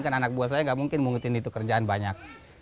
kan anak buah saya gak mungkin mungutin itu kerjaan banyak